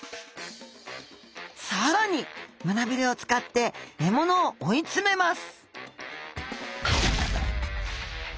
更に胸びれを使って獲物を追い詰めます